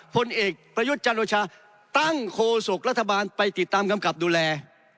ผลเอกประยุทธ์จันโอชาตั้งโคศกรัฐบาลไปติดตามกำกับดูแล